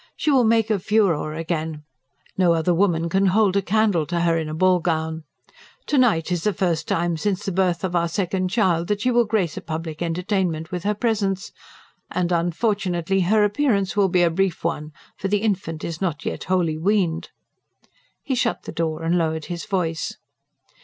She will make a furore again; no other woman can hold a candle to her in a ballroom. To night is the first time since the birth of our second child that she will grace a public entertainment with her presence; and unfortunately her appearance will be a brief one, for the infant is not yet wholly weaned." He shut the door and lowered his voice.